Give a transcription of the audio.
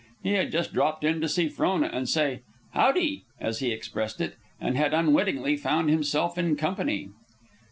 He had just dropped in to see Frona and say "Howdee," as he expressed it, and had unwittingly found himself in company.